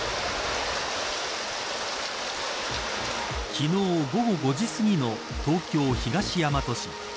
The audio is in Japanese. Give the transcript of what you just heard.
昨日、午後５時すぎの東京・東大和市。